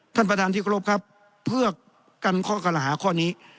ท่านประธานที่เคารพครับเพื่อกันข้อกล่าหาข้อนี้